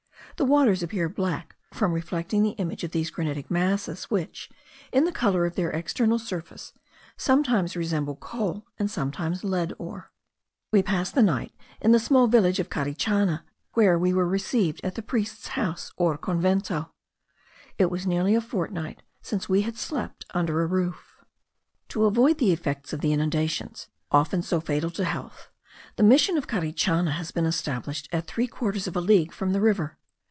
The waters appear black from reflecting the image of these granitic masses, which, in the colour of their external surface, sometimes resemble coal, and sometimes lead ore. We passed the night in the small village of Carichana, where we were received at the priest's house, or convento. It was nearly a fortnight since we had slept under a roof. To avoid the effects of the inundations, often so fatal to health, the Mission of Carichana has been established at three quarters of a league from the river.